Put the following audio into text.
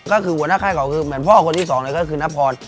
ก็คือหัวหน้าค่ายเขาคือเหมือนพ่อคนที่สองเลยก็คือนพร